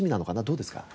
どうですか？